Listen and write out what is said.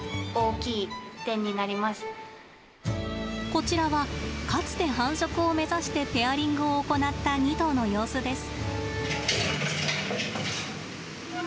こちらはかつて繁殖を目指してペアリングを行った２頭の様子です。